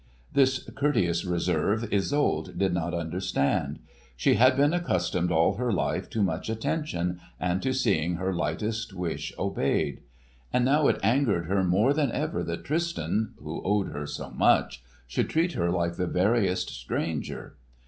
This courteous reserve Isolde did not understand. She had been accustomed, all her life, to much attention and to seeing her lightest wish obeyed. And now it angered her more than ever that Tristan—who owed her so much—should treat her like the veriest stranger.